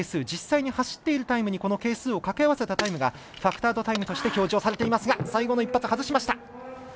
実際に走っているタイムにこの係数をかけ合わせたタイムがファクタードタイムとして表示をされていますが最後の１発、外しました。